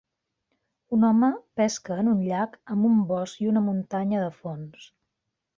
Un home pesca en un llac amb un bosc i una muntanya de fons.